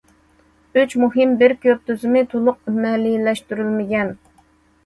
‹‹ ئۈچ مۇھىم، بىر كۆپ›› تۈزۈمى تولۇق ئەمەلىيلەشتۈرۈلمىگەن.